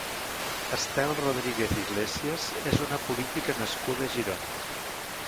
Estel Rodríguez Iglesias és una política nascuda a Girona.